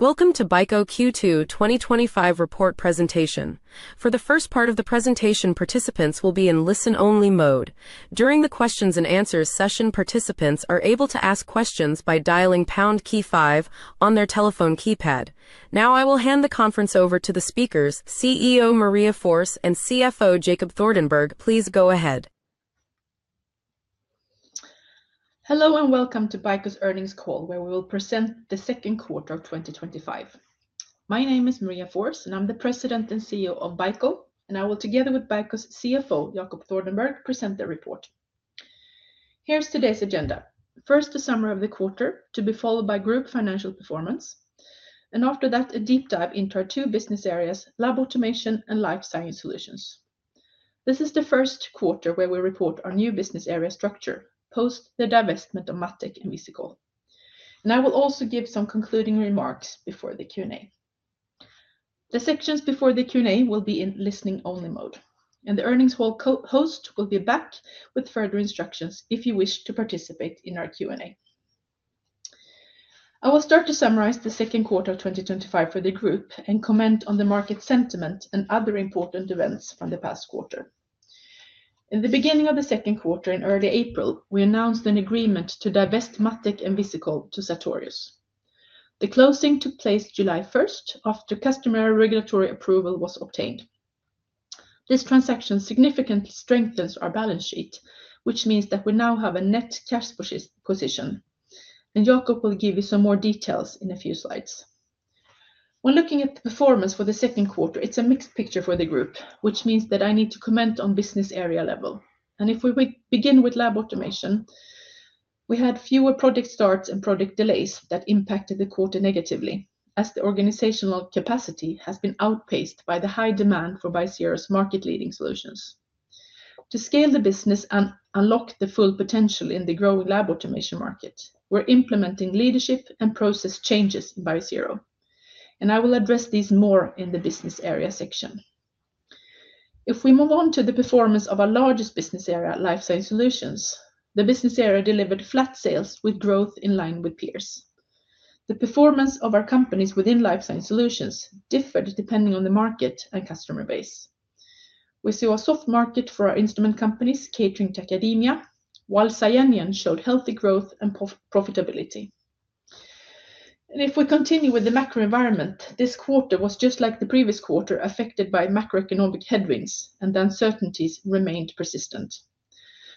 Welcome to BICO Q2 2025 Report pPesentation. For the first part of the presentation, participants will be in listen-only mode. During the questions and answers session, participants are able to ask questions by dialing pound key five on their telephone keypad. Now, I will hand the conference over to the speakers, CEO Maria Forss and CFO Jacob Thordenberg. Please go ahead. Hello and welcome to BICO's Earnings call, where we will present the second quarter of 2025. My name is Maria Forss, and I'm the President and CEO of BICO, and I will, together with BICO's CFO, Jacob Thordenberg, present the report. Here's today's agenda: first, the summary of the quarter, to be followed by group financial performance, and after that, a deep dive into our two business areas: Lab Automation and Life Science Solutions. This is the first quarter where we report our new business area structure, post the divestment of MatTek and Visikol. I will also give some concluding remarks before the Q&A. The sections before the Q&A will be in listening-only mode, and the earnings call host will be back with further instructions if you wish to participate in our Q&A. I will start to summarize the second quarter of 2025 for the group and comment on the market sentiment and other important events from the past quarter. In the beginning of the second quarter, in early April, we announced an agreement to divest MatTek and Visikol to Sartorius. The closing took place July 1st, after customer regulatory approval was obtained. This transaction significantly strengthens our balance sheet, which means that we now have a net cash position. Jacob will give you some more details in a few slides. When looking at the performance for the second quarter, it's a mixed picture for the group, which means that I need to comment on the business area level. If we begin with Lab Automation, we had fewer project starts and project delays that impacted the quarter negatively, as the organizational capacity has been outpaced by the high demand for Biosero's market-leading solutions. To scale the business and unlock the full potential in the growing Lab Automation market, we're implementing leadership and process changes in Biosero, and I will address these more in the business area section. If we move on to the performance of our largest business area, Life Science Solutions, the business area delivered flat sales with growth in line with peers. The performance of our companies within Life Science Solutions differed depending on the market and customer base. We saw a soft market for our instrument companies catering to academia, while SCIENION showed healthy growth and profitability. If we continue with the macro environment, this quarter was just like the previous quarter, affected by macroeconomic headwinds, and uncertainties remained persistent.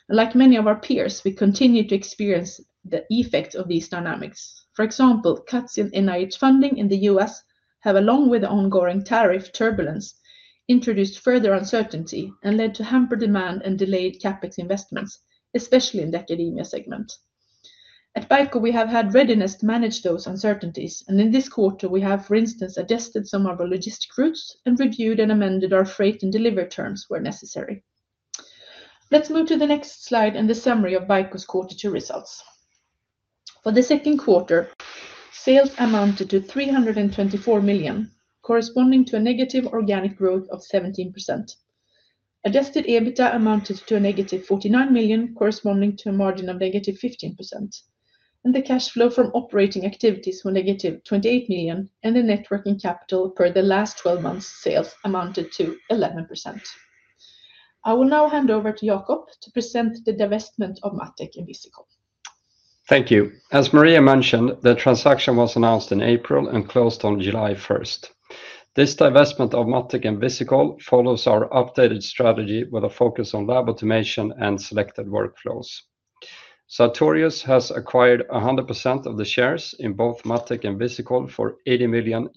Like many of our peers, we continue to experience the effects of these dynamics. For example, cuts in NIH funding in the U.S. have, along with the ongoing tariff turbulence, introduced further uncertainty and led to hampered demand and delayed CapEx investments, especially in the academia segment. At BICO, we have had readiness to manage those uncertainties, and in this quarter, we have, for instance, adjusted some of our logistic routes and reviewed and amended our freight and delivery terms where necessary. Let's move to the next slide and the summary of BICO's quarter two results. For the second quarter, sales amounted to 324 million, corresponding to a negative organic growth of 17%. Adjusted EBITDA amounted to a negative 49 million, corresponding to a margin of negative 15%. The cash flow from operating activities was negative 28 million, and the net working capital per the last 12 months' sales amounted to 11%. I will now hand over to Jacob to present the divestment of MatTek and Visikol. Thank you. As Maria mentioned, the transaction was announced in April and closed on July 1st. This divestment of MatTek and Visikol follows our updated strategy with a focus on Lab Automation and selected workflows. Sartorius has acquired 100% of the shares in both MatTek and Visikol for $80 million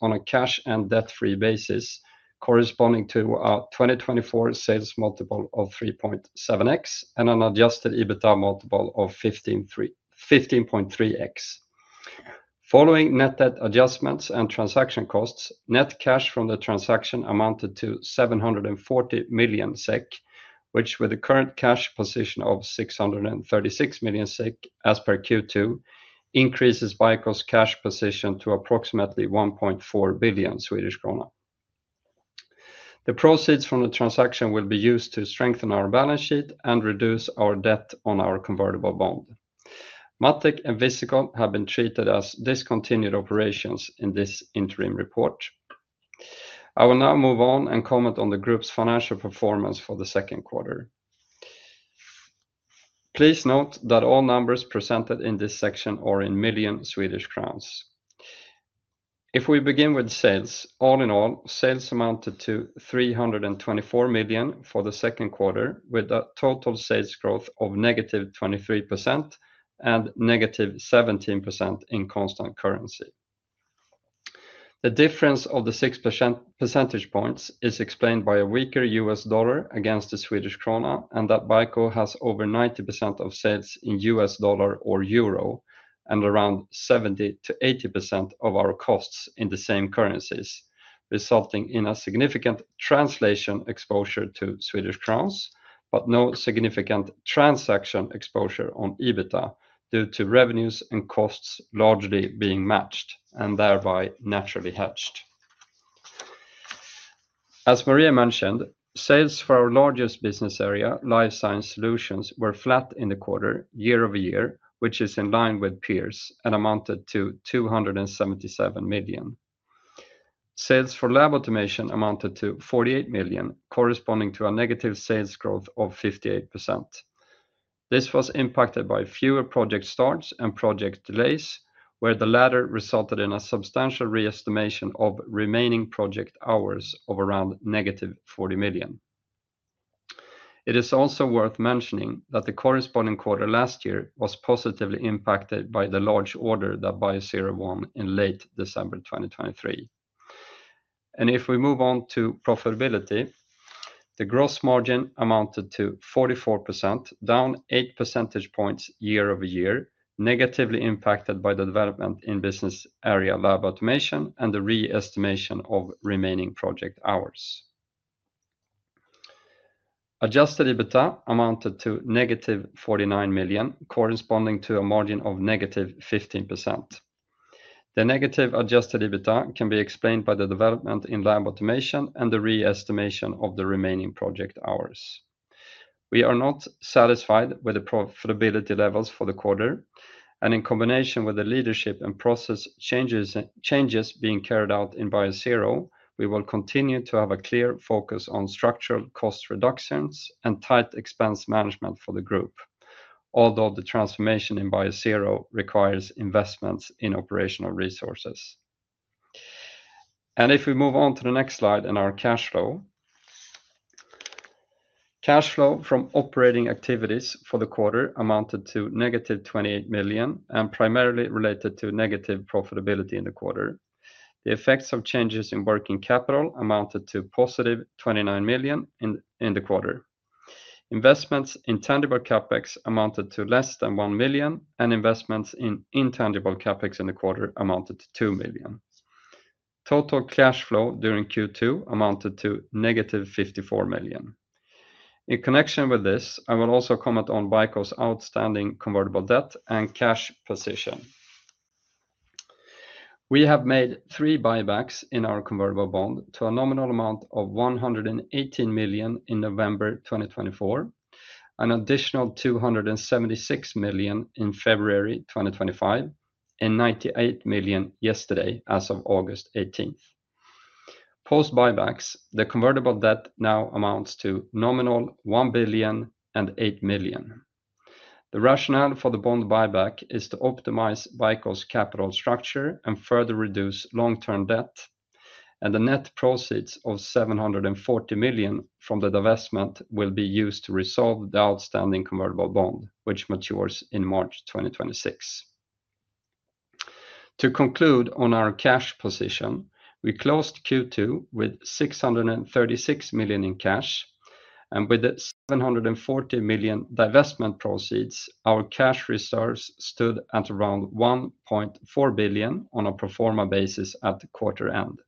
on a cash and debt-free basis, corresponding to a 2024 sales multiple of 3.7x and an adjusted EBITDA multiple of 15.3x. Following net debt adjustments and transaction costs, net cash from the transaction amounted to 740 million SEK, which, with the current cash position of 636 million SEK as per Q2, increases BICO's cash position to approximately 1.4 billion Swedish krona. The proceeds from the transaction will be used to strengthen our balance sheet and reduce our debt on our convertible bond. MatTek and Visikol have been treated as discontinued operations in this interim report. I will now move on and comment on the group's financial performance for the second quarter. Please note that all numbers presented in this section are in million Swedish Krona. If we begin with sales, all in all, sales amounted to 324 million for the second quarter, with a total sales growth of -23% and -17% in constant currency. The difference of the 6 percentage points is explained by a weaker U.S. dollar against the Swedish Krona and that BICO has over 90% of sales in U.S. dollar or Euro and around 70%-80% of our costs in the same currencies, resulting in a significant translation exposure to Swedish Krona, but no significant transaction exposure on EBITDA due to revenues and costs largely being matched and thereby naturally hedged. As Maria mentioned, sales for our largest business area, Life Science Solutions, were flat in the quarter, year-over-year, which is in line with peers and amounted to 277 million. Sales for Lab Automation amounted to 48 million, corresponding to a negative sales growth of 58%. This was impacted by fewer project starts and project delays, where the latter resulted in a substantial re-estimation of remaining project hours of around -40 million. It is also worth mentioning that the corresponding quarter last year was positively impacted by the large order that Biosero won in late December 2023. If we move on to profitability, the gross margin amounted to 44%, down 8 percentage points year-over-year, negatively impacted by the development in business area Lab Automation and the re-estimation of remaining project hours. Adjusted EBITDA amounted to -49 million, corresponding to a margin of -15%. The negative adjusted EBITDA can be explained by the development in Lab Automation and the re-estimation of the remaining project hours. We are not satisfied with the profitability levels for the quarter, and in combination with the leadership and process changes being carried out in Biosero, we will continue to have a clear focus on structural cost reductions and tight expense management for the group, although the transformation in Biosero requires investments in operational resources. If we move on to the next slide and our cash flow, cash flow from operating activities for the quarter amounted to -28 million and primarily related to negative profitability in the quarter. The effects of changes in working capital amounted to +29 million in the quarter. Investments in tangible CapEx amounted to less than 1 million, and investments in intangible CapEx in the quarter amounted to 2 million. Total cash flow during Q2 amounted to -54 million. In connection with this, I will also comment on BICO's outstanding convertible debt and cash position. We have made three buybacks in our convertible bond to a nominal amount of 18 million in November 2024, an additional 276 million in February 2025, and 98 million yesterday as of August 18th. Post-buybacks, the convertible debt now amounts to nominal 1.008 billion. The rationale for the bond buyback is to optimize BICO's capital structure and further reduce long-term debt, and the net proceeds of 740 million from the divestment will be used to resolve the outstanding convertible bond, which matures in March 2026. To conclude on our cash position, we closed Q2 with SSEK 636 million in cash, and with the 740 million divestment proceeds, our cash reserves stood at around 1.4 billion on a pro forma basis at the quarter end.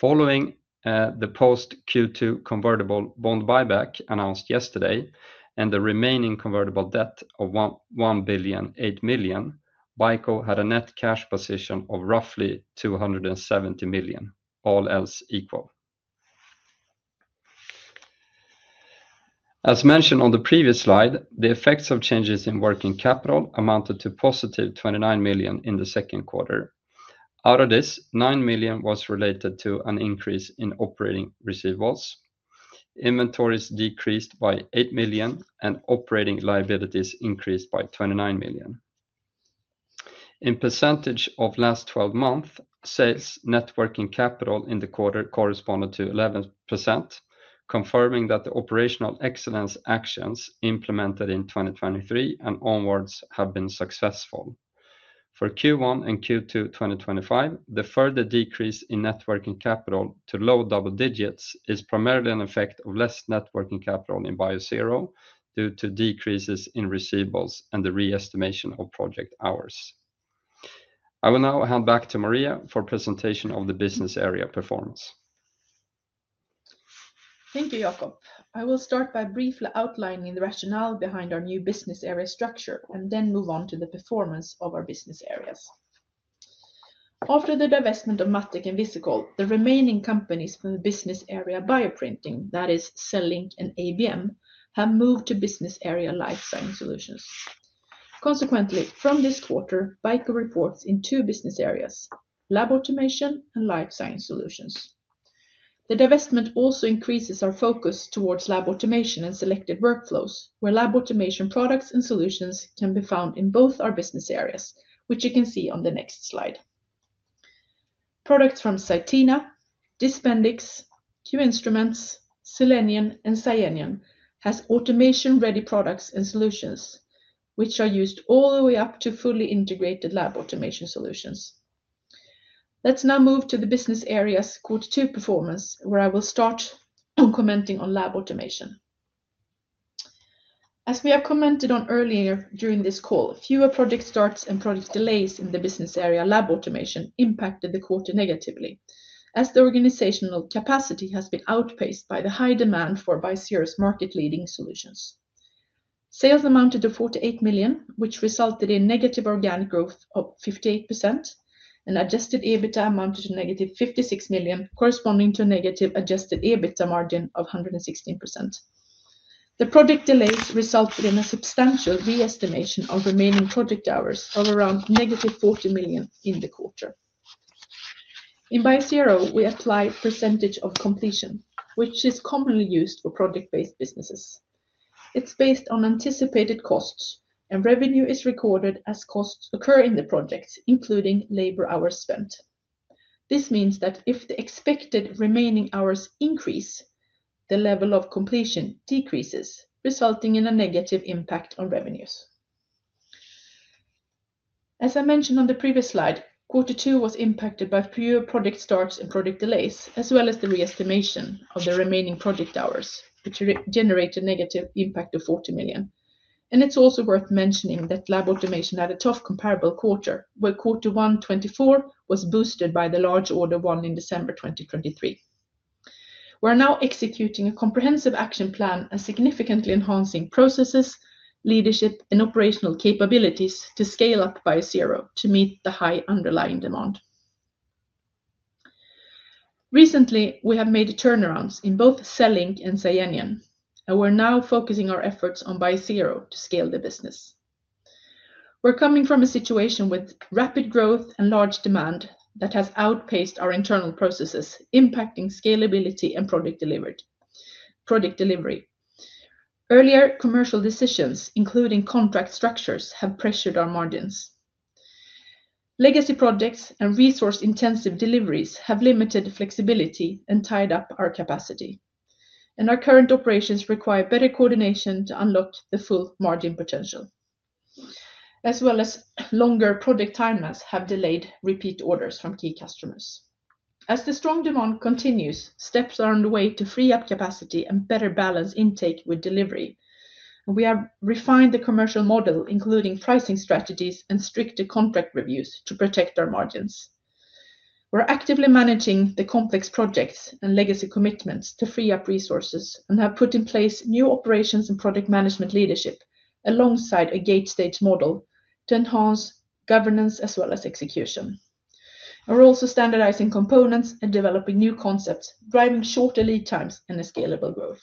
Following the post-Q2 convertible bond buyback announced yesterday and the remaining convertible debt of 1.8 billion, BICO had a net cash position of roughly 270 million, all else equal. As mentioned on the previous slide, the effects of changes in working capital amounted to +29 million in the second quarter. Out of this, 9 million was related to an increase in operating receivables. Inventories decreased by 8 million, and operating liabilities increased by 29 million. In percentage of last 12 months, sales net working capital in the quarter corresponded to 11%, confirming that the operational excellence actions implemented in 2023 and onwards have been successful. For Q1 and Q2 2025, the further decrease in net working capital to low double digits is primarily an effect of less net working capital in Biosero due to decreases in receivables and the re-estimation of project hours. I will now hand back to Maria for the presentation of the business area performance. Thank you, Jacob. I will start by briefly outlining the rationale behind our new business area structure and then move on to the performance of our business areas. After the divestment of MatTek and Visikol, the remaining companies from the business area Bioprinting, that is, CELLINK and ABM, have moved to business area Life Science Solutions. Consequently, from this quarter, BICO reports in two business areas: Lab Automation and Life Science Solutions. The divestment also increases our focus towards Lab Automation and selected workflows, where Lab Automation products and solutions can be found in both our business areas, which you can see on the next slide. Products from CYTENA, DISPENDIX, QInstruments, Cellenion, and SCIENION have automation-ready products and solutions, which are used all the way up to fully integrated Lab Automation solutions. Let's now move to the business area's quarter two performance, where I will start commenting on Lab Automation. As we have commented on earlier during this call, fewer project starts and project delays in the business area Lab Automation impacted the quarter negatively, as the organizational capacity has been outpaced by the high demand for Biosero's market-leading solutions. Sales amounted to 48 million, which resulted in negative organic growth of 58%, and adjusted EBITDA amounted to -56 million, corresponding to a negative adjusted EBITDA margin of 116%. The project delays resulted in a substantial re-estimation of remaining project hours of around negative 40 million in the quarter. In Biosero, we apply a percentage of completion, which is commonly used for project-based businesses. It's based on anticipated costs, and revenue is recorded as costs occur in the project, including labor hours spent. This means that if the expected remaining hours increase, the level of completion decreases, resulting in a negative impact on revenues. As I mentioned on the previous slide, quarter two was impacted by fewer project starts and project delays, as well as the re-estimation of the remaining project hours, which generated a negative impact of 40 million. It's also worth mentioning that Lab Automation had a tough comparable quarter, where quarter one 2024 was boosted by the large order won in December 2023. We are now executing a comprehensive action plan and significantly enhancing processes, leadership, and operational capabilities to scale up Biosero to meet the high underlying demand. Recently, we have made a turnaround in both CELLINK and SCIENION, and we're now focusing our efforts on Biosero to scale the business. We're coming from a situation with rapid growth and large demand that has outpaced our internal processes, impacting scalability and product delivery. Earlier commercial decisions, including contract structures, have pressured our margins. Legacy projects and resource-intensive deliveries have limited flexibility and tied up our capacity. Our current operations require better coordination to unlock the full margin potential. Longer project timelines have delayed repeat orders from key customers. As the strong demand continues, steps are underway to free up capacity and better balance intake with delivery. We have refined the commercial model, including pricing strategies and stricter contract reviews to protect our margins. We're actively managing the complex projects and legacy commitments to free up resources and have put in place new operations and project management leadership alongside a gate-stage project model to enhance governance as well as execution. We're also standardizing components and developing new concepts, driving shorter lead times and scalable growth.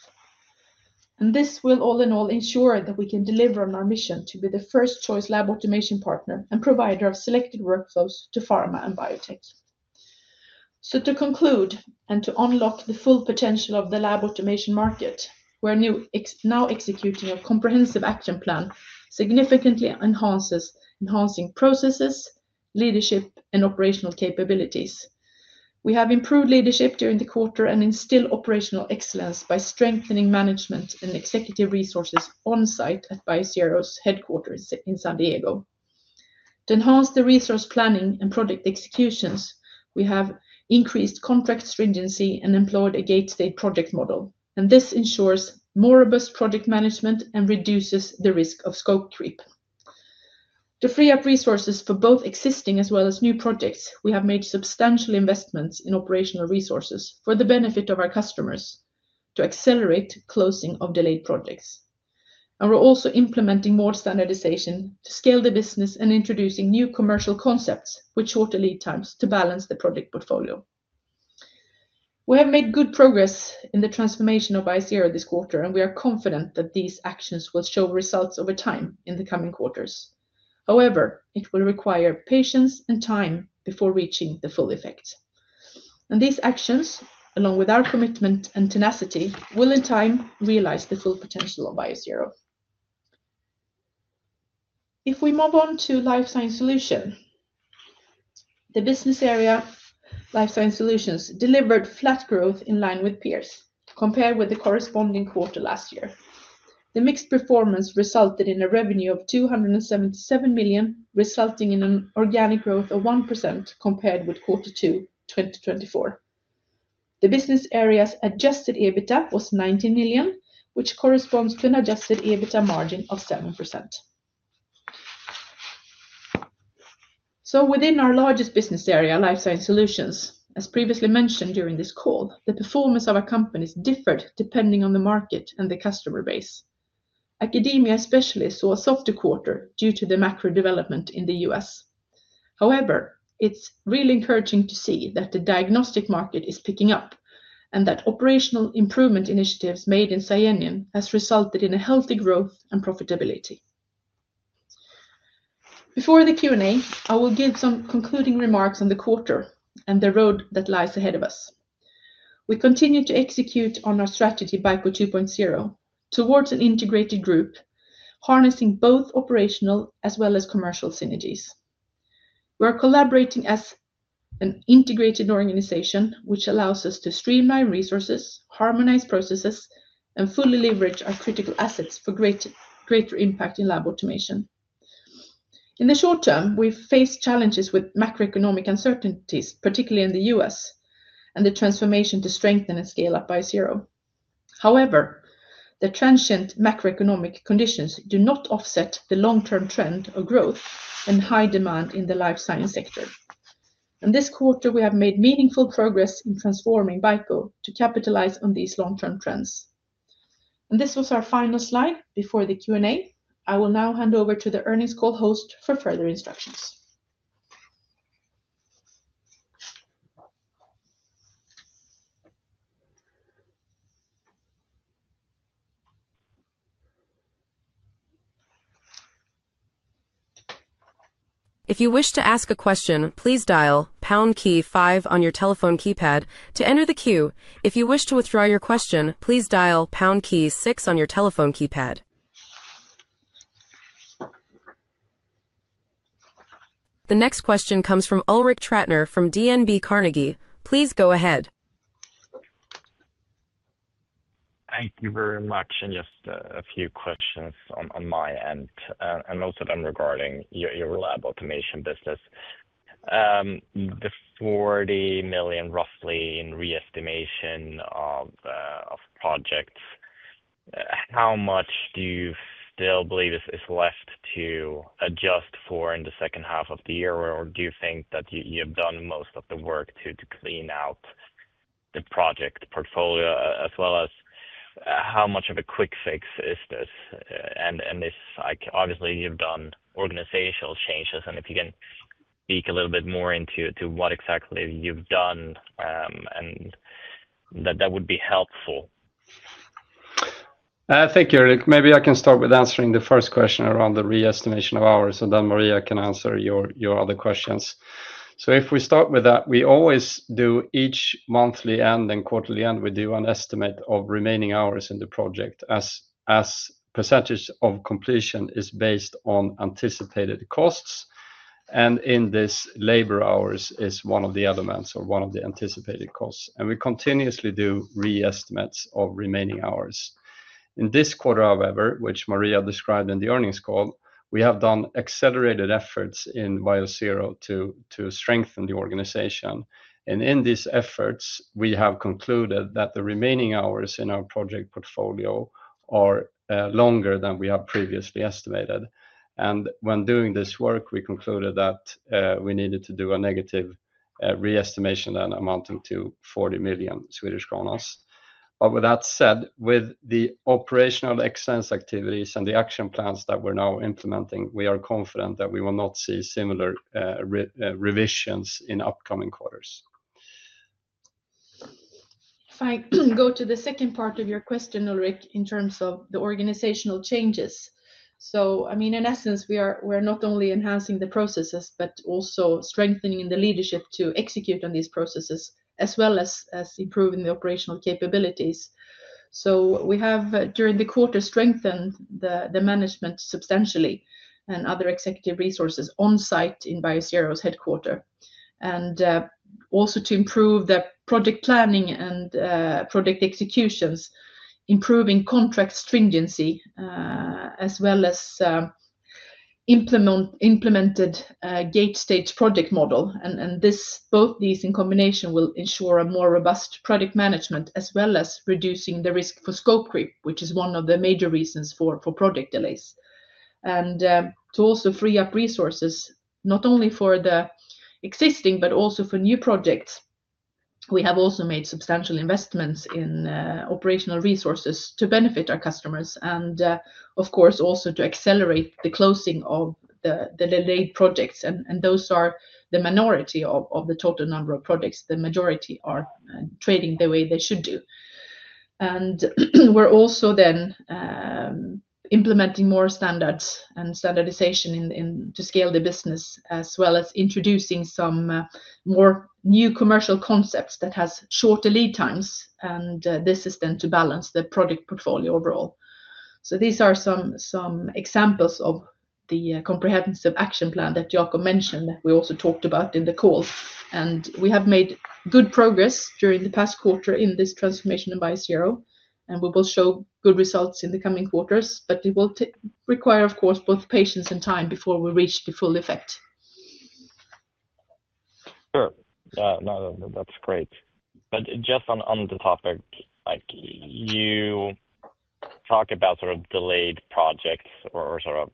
This will, all in all, ensure that we can deliver on our mission to be the first choice lab automation partner and provider of selected workflows to pharma and biotech. To conclude and to unlock the full potential of the lab automation market, we're now executing a comprehensive action plan that significantly enhances processes, leadership, and operational capabilities. We have improved leadership during the quarter and instilled operational excellence by strengthening management and executive resources on site at Biosero's headquarters in San Diego. To enhance the resource planning and project executions, we have increased contract stringency and employed a gate-stage project model. This ensures more robust project management and reduces the risk of scope creep. To free up resources for both existing as well as new projects, we have made substantial investments in operational resources for the benefit of our customers to accelerate closing of delayed projects. We're also implementing more standardization to scale the business and introducing new commercial concepts with shorter lead times to balance the project portfolio. We have made good progress in the transformation of Biosero this quarter, and we are confident that these actions will show results over time in the coming quarters. However, it will require patience and time before reaching the full effect. These actions, along with our commitment and tenacity, will in time realize the full potential of Biosero. If we move on to Life Science Solutions, the business area Life Science Solutions delivered flat growth in line with peers compared with the corresponding quarter last year. The mixed performance resulted in a revenue of 277 million, resulting in an organic growth of 1% compared with quarter two 2024. The business area's adjusted EBITDA was 19 million, which corresponds to an adjusted EBITDA margin of 7%. Within our largest business area, Life Science Solutions, as previously mentioned during this call, the performance of our companies differed depending on the market and the customer base. Academia especially saw a softer quarter due to the macro development in the U.S. However, it's really encouraging to see that the diagnostics market is picking up and that operational improvement initiatives made in SCIENION have resulted in a healthy growth and profitability. Before the Q&A, I will give some concluding remarks on the quarter and the road that lies ahead of us. We continue to execute on our strategy, BICO 2.0, towards an integrated group, harnessing both operational as well as commercial synergies. We're collaborating as an integrated organization, which allows us to streamline resources, harmonize processes, and fully leverage our critical assets for greater impact in Lab Automation. In the short term, we face challenges with macroeconomic uncertainties, particularly in the U.S., and the transformation to strengthen and scale up Biosero. However, the transient macroeconomic conditions do not offset the long-term trend of growth and high demand in the life science sector. In this quarter, we have made meaningful progress in transforming BICO to capitalize on these long-term trends. This was our final slide before the Q&A. I will now hand over to the earnings call host for further instructions. If you wish to ask a question, please dial pound key five on your telephone keypad to enter the queue. If you wish to withdraw your question, please dial pound key six on your telephone keypad. The next question comes from Ulrik Trattner from DNB Carnegie. Please go ahead. Thank you very much. Just a few questions on my end, most of them regarding your Lab Automation business. The 40 million roughly in re-estimation of projects, how much do you still believe is left to adjust for in the second half of the year? Do you think that you have done most of the work to clean out the project portfolio, as well as how much of a quick fix is this? You have done organizational changes, and if you can speak a little bit more into what exactly you've done, that would be helpful. Thank you, Ulrik. Maybe I can start with answering the first question around the re-estimation of hours, and then Maria can answer your other questions. If we start with that, we always do each monthly and then quarterly end, we do an estimate of remaining hours in the project as percentage of completion is based on anticipated costs. In this, labor hours is one of the elements or one of the anticipated costs. We continuously do re-estimates of remaining hours. In this quarter, which Maria described in the earnings call, we have done accelerated efforts in Biosero to strengthen the organization. In these efforts, we have concluded that the remaining hours in our project portfolio are longer than we have previously estimated. When doing this work, we concluded that we needed to do a negative re-estimation that amounted to 40 million. With that said, with the operational excellence activities and the action plans that we're now implementing, we are confident that we will not see similar revisions in upcoming quarters. If I can go to the second part of your question, Ulrik, in terms of the organizational changes. In essence, we are not only enhancing the processes, but also strengthening the leadership to execute on these processes, as well as improving the operational capabilities. We have, during the quarter, strengthened the management substantially and other executive resources on site in Biosero's headquarter. Also, to improve the project planning and project executions, improving contract stringency, as well as implemented a gate-stage project model. Both these in combination will ensure a more robust project management, as well as reducing the risk for scope creep, which is one of the major reasons for project delays. To also free up resources, not only for the existing, but also for new projects, we have also made substantial investments in operational resources to benefit our customers and, of course, also to accelerate the closing of the delayed projects. Those are the minority of the total number of projects. The majority are trading the way they should do. We are also then implementing more standards and standardization to scale the business, as well as introducing some more new commercial concepts that have shorter lead times. This is then to balance the project portfolio overall. These are some examples of the comprehensive action plan that Jacob mentioned that we also talked about in the call. We have made good progress during the past quarter in this transformation in Biosero. We will show good results in the coming quarters, but it will require, of course, both patience and time before we reach the full effect. Sure, that's great. On the topic, you talk about sort of delayed projects or sort of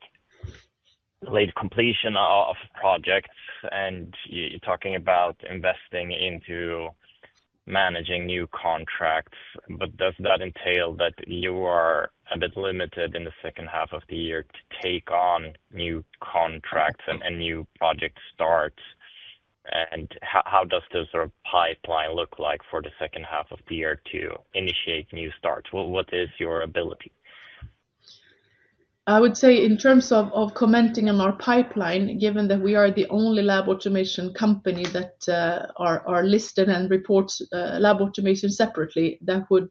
delayed completion of projects, and you're talking about investing into managing new contracts. Does that entail that you are a bit limited in the second half of the year to take on new contracts and new project starts? How does the sort of pipeline look like for the second half of the year to initiate new starts? What is your ability? I would say in terms of commenting on our pipeline, given that we are the only Lab Automation company that are listed and report Lab Automation separately, that would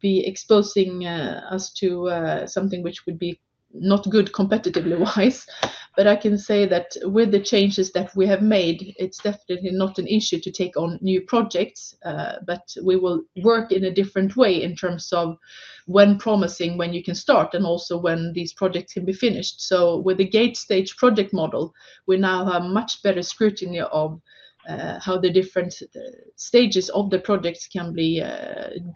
be exposing us to something which would be not good competitively-wise. I can say that with the changes that we have made, it's definitely not an issue to take on new projects, but we will work in a different way in terms of when promising when you can start and also when these projects can be finished. With the gate-stage project model, we now have much better scrutiny of how the different stages of the projects can be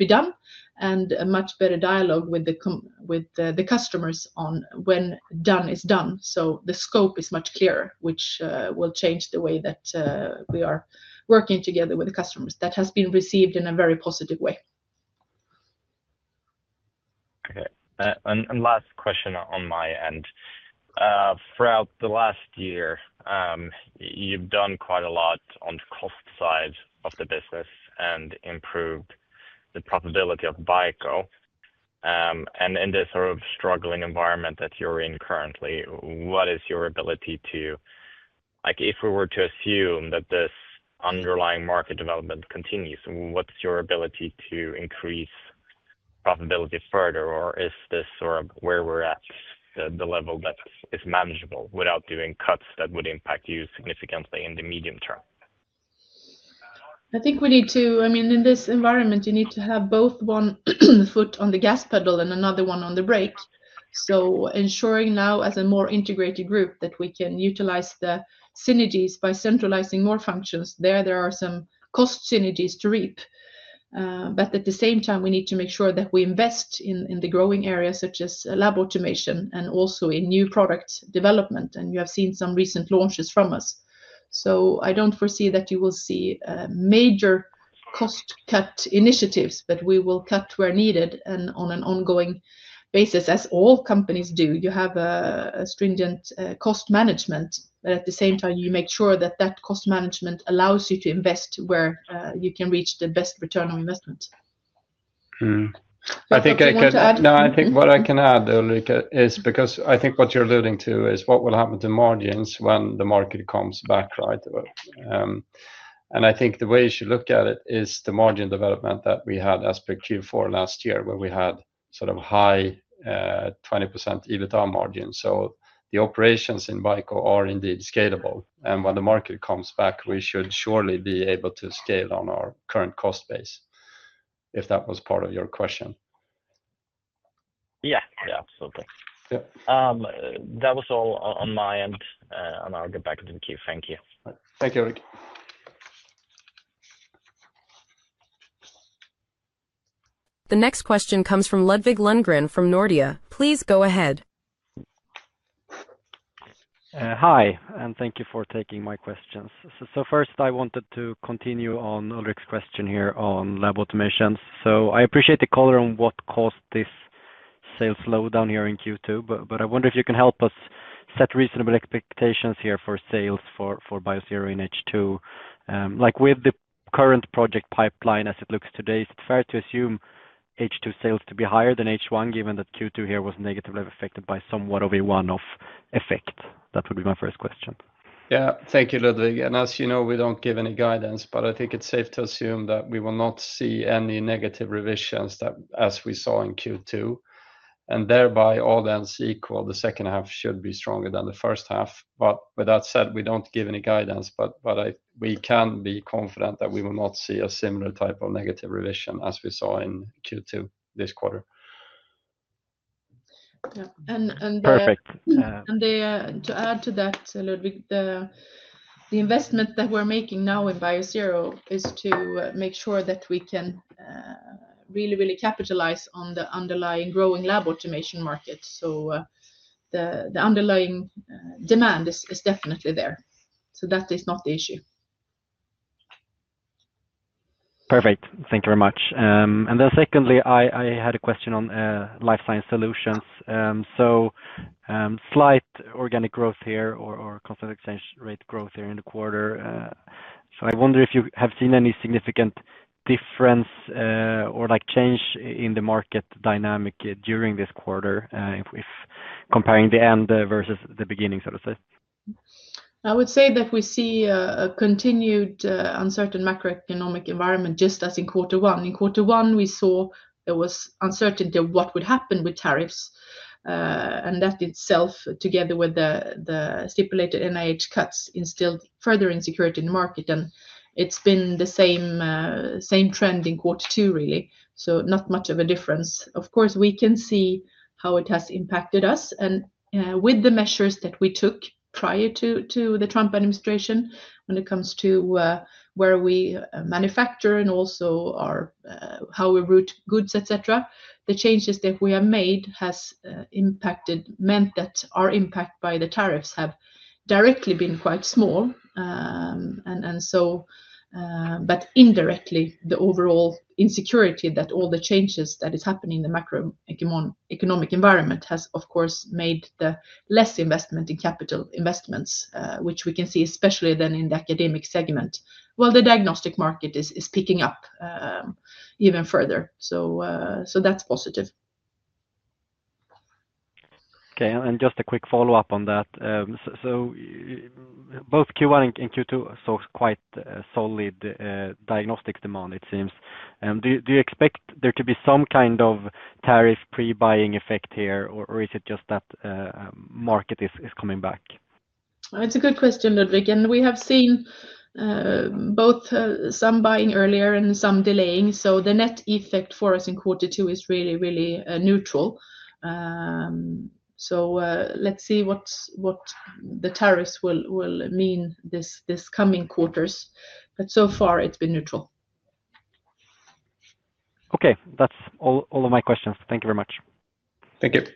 done and a much better dialogue with the customers on when done is done. The scope is much clearer, which will change the way that we are working together with the customers. That has been received in a very positive way. Okay. Last question on my end. Throughout the last year, you've done quite a lot on the cost side of the business and improved the profitability of BICO. In this sort of struggling environment that you're in currently, what is your ability to, like if we were to assume that this underlying market development continues, what's your ability to increase profitability further, or is this sort of where we're at, the level that is manageable without doing cuts that would impact you significantly in the medium term? I think we need to, I mean, in this environment, you need to have both one foot on the gas pedal and another one on the brake. Ensuring now as a more integrated group that we can utilize the synergies by centralizing more functions, there are some cost synergies to reap. At the same time, we need to make sure that we invest in the growing areas such as Lab Automation and also in new product development. You have seen some recent launches from us. I don't foresee that you will see major cost cut initiatives, but we will cut where needed and on an ongoing basis, as all companies do. You have a stringent cost management, but at the same time, you make sure that that cost management allows you to invest where you can reach the best return on investment. I think what I can add, Ulrik, is because I think what you're alluding to is what will happen to margins when the market comes back, right? I think the way you should look at it is the margin development that we had, especially Q4 last year, where we had sort of high 20% EBITDA margins. The operations in BICO are indeed scalable, and when the market comes back, we should surely be able to scale on our current cost base, if that was part of your question. Yeah, absolutely. That was all on my end, and I'll get back into the queue. Thank you. Thank you, Ulrik. The next question comes from Ludvig Lundgren from Nordea. Please go ahead. Hi, and thank you for taking my questions. First, I wanted to continue on Ulrik's question here on Lab Automation. I appreciate the call on what caused this sales slowdown here in Q2, but I wonder if you can help us set reasonable expectations here for sales for Biosero in H2. With the current project pipeline as it looks today, is it fair to assume H2 sales to be higher than H1, given that Q2 here was negatively affected by somewhat of a one-off effect? That would be my first question. Thank you, Ludvig. As you know, we don't give any guidance, but I think it's safe to assume that we will not see any negative revisions as we saw in Q2. All else equal, the second half should be stronger than the first half. With that said, we don't give any guidance, but we can be confident that we will not see a similar type of negative revision as we saw in Q2 this quarter. Yeah. To add to that, Ludvig, the investment that we're making now in Biosero is to make sure that we can really, really capitalize on the underlying growing Lab Automation market. The underlying demand is definitely there. That is not the issue. Perfect. Thank you very much. I had a question on Life Science Solutions. Slight organic growth here or constant exchange rate growth here in the quarter. I wonder if you have seen any significant difference or change in the market dynamic during this quarter, if comparing the end versus the beginning, so to say. I would say that we see a continued uncertain macroeconomic environment just as in quarter one. In quarter one, we saw there was uncertainty of what would happen with tariffs. That itself, together with the stipulated NIH cuts, instilled further insecurity in the market. It's been the same trend in quarter two, really, so not much of a difference. Of course, we can see how it has impacted us. With the measures that we took prior to the Trump administration, when it comes to where we manufacture and also how we route goods, et cetera, the changes that we have made have meant that our impact by the tariffs has directly been quite small. Indirectly, the overall insecurity that all the changes that are happening in the macroeconomic environment has, of course, made less investment in capital investments, which we can see especially in the academic segment. The diagnostic market is picking up even further, so that's positive. Okay. Just a quick follow-up on that. Both Q1 and Q2 saw quite solid diagnostics demand, it seems. Do you expect there to be some kind of tariff pre-buying effect here, or is it just that the market is coming back? It's a good question, Ludvig. We have seen both some buying earlier and some delaying. The net effect for us in quarter two is really, really neutral. Let's see what the tariffs will mean these coming quarters. So far, it's been neutral. Okay. That's all of my questions. Thank you very much. Thank you.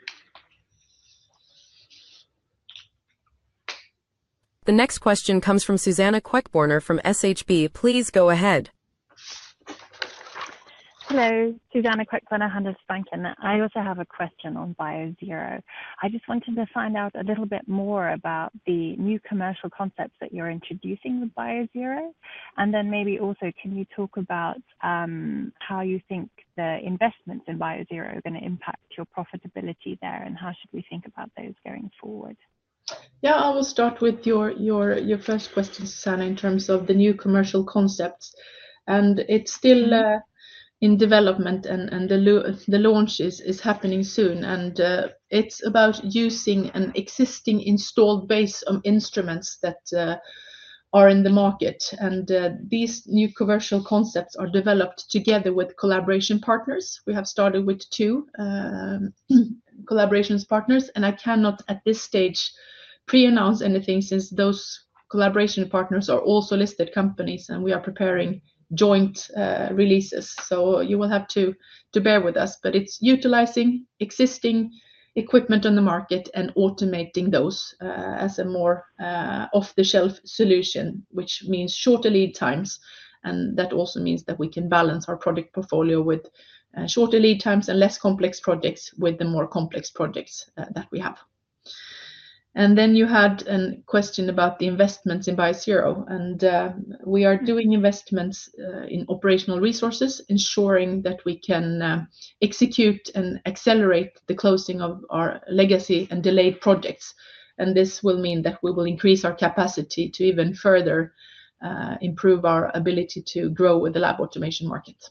The next question comes from Suzanna Queckbörner from SHB. Please go ahead. Hello. Suzanna Queckbörner, Handelsbanken. I also have a question on Biosero. I just wanted to find out a little bit more about the new commercial concepts that you're introducing with Biosero. Maybe also, can you talk about how you think the investments in Biosero are going to impact your profitability there, and how should we think about those going forward? Yeah, I will start with your first question, Suzanna, in terms of the new commercial concepts. It's still in development, and the launch is happening soon. It's about using an existing installed base of instruments that are in the market. These new commercial concepts are developed together with collaboration partners. We have started with two collaboration partners. I cannot, at this stage, pre-announce anything since those collaboration partners are also listed companies, and we are preparing joint releases. You will have to bear with us. It's utilizing existing equipment on the market and automating those as a more off-the-shelf solution, which means shorter lead times. That also means that we can balance our product portfolio with shorter lead times and less complex projects with the more complex projects that we have. You had a question about the investments in Biosero. We are doing investments in operational resources, ensuring that we can execute and accelerate the closing of our legacy and delayed projects. This will mean that we will increase our capacity to even further improve our ability to grow with the Lab Automation market.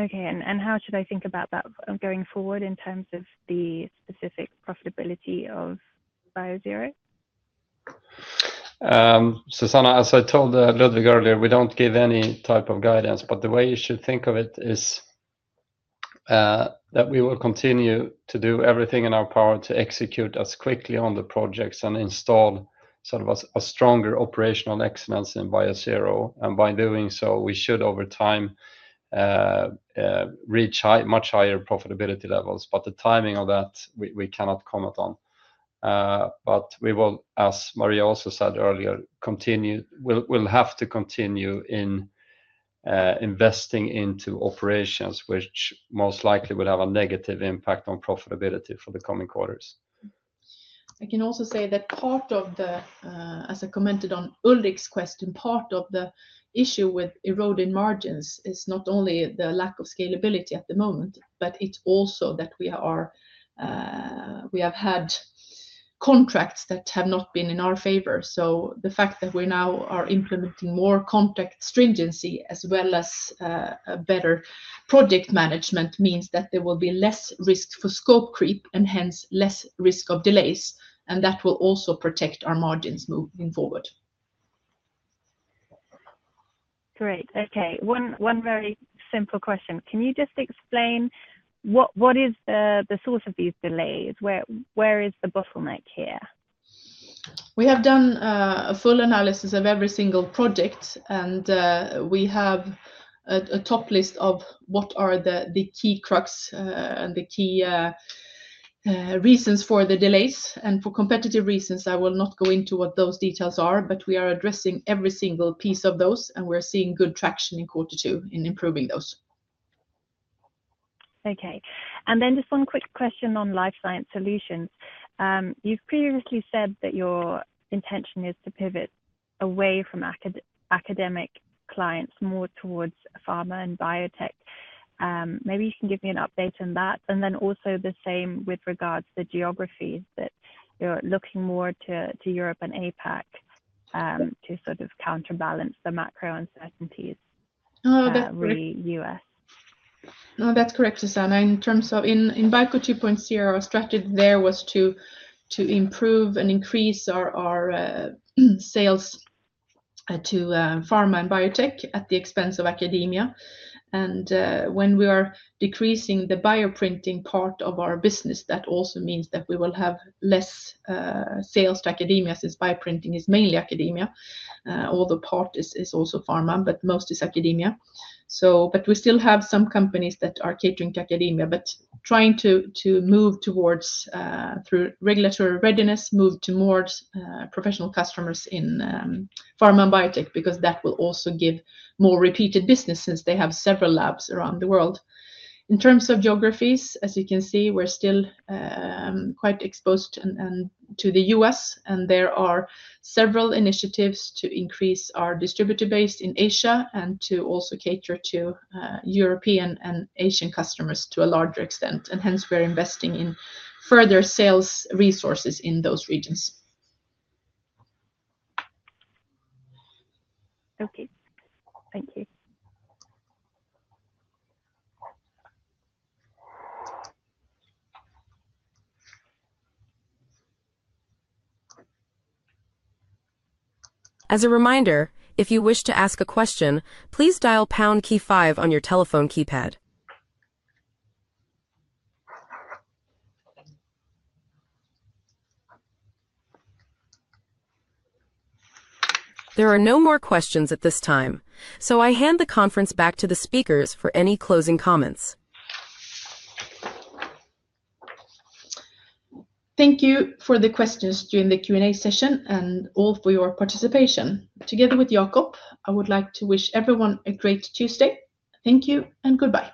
Okay. How should I think about that going forward in terms of the specific profitability of Biosero? Suzanna, as I told Ludvig earlier, we don't give any type of guidance, but the way you should think of it is that we will continue to do everything in our power to execute as quickly on the projects and install sort of a stronger operational excellence in Biosero. By doing so, we should, over time, reach much higher profitability levels. The timing of that, we cannot comment on. We will, as Maria also said earlier, have to continue investing into operations, which most likely will have a negative impact on profitability for the coming quarters. I can also say that part of the, as I commented on Ulrik's question, part of the issue with eroding margins is not only the lack of scalability at the moment, but it's also that we have had contracts that have not been in our favor. The fact that we now are implementing more contract stringency as well as better project management means that there will be less risk for scope creep and hence less risk of delays. That will also protect our margins moving forward. Great. Okay. One very simple question. Can you just explain what is the source of these delays? Where is the bottleneck here? We have done a full analysis of every single project, and we have a top list of what are the key cracks and the key reasons for the delays. For competitive reasons, I will not go into what those details are, but we are addressing every single piece of those, and we're seeing good traction in quarter two in improving those. Okay. Just one quick question on Life Science Solutions. You've previously said that your intention is to pivot away from academic clients more towards pharma and biotech. Maybe you can give me an update on that. Also, the same with regards to the geographies that you're looking more to Europe and APAC to sort of counterbalance the macro uncertainties for the U.S. Oh, that's correct, Suzanna. In terms of in BICO 2.0, our strategy there was to improve and increase our sales to pharma and biotech at the expense of academia. When we are decreasing the bioprinting part of our business, that also means that we will have less sales to academia since bioprinting is mainly academia. Although part is also pharma, most is academia. We still have some companies that are catering to academia, but trying to move towards, through regulatory readiness, move to more professional customers in pharma and biotech because that will also give more repeated business since they have several labs around the world. In terms of geographies, as you can see, we're still quite exposed to the U.S., and there are several initiatives to increase our distributor base in Asia and to also cater to European and Asian customers to a larger extent. Hence, we're investing in further sales resources in those regions. Okay, thank you. As a reminder, if you wish to ask a question, please dial pound key five on your telephone keypad. There are no more questions at this time. I hand the conference back to the speakers for any closing comments. Thank you for the questions during the Q&A session and all for your participation. Together with Jacob Thordenberg, I would like to wish everyone a great Tuesday. Thank you and goodbye.